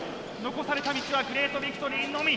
残された道はグレートビクトリーのみ。